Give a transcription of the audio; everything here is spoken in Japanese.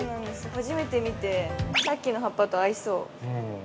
初めて見て、さっきの葉っぱと合いそう。